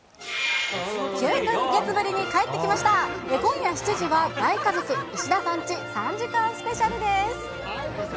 帰ってきました、今夜７時は、大家族石田さんチ３時間スペシャルです。